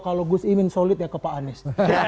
kalau gus imin solid ya ke pak anies